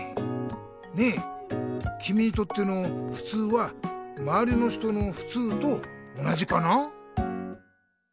ねえきみにとってのふつうはまわりの人のふつうと同じかな？